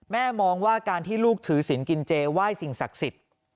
มองว่าการที่ลูกถือศิลปกินเจไหว้สิ่งศักดิ์สิทธิ์